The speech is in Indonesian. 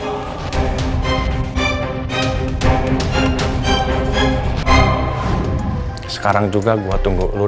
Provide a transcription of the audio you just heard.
example karena kayak bukunya